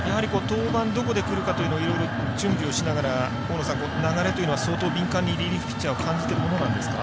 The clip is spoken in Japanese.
登板、どこでくるかというのはいろいろ準備をしながら流れというのは相当敏感にリリーフピッチャーは感じてるものなんですか？